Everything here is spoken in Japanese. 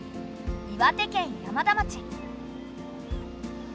岩手県山田町。